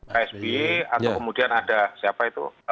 ksb atau kemudian ada siapa itu